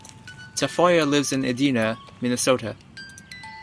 Tafoya lives in Edina, Minnesota.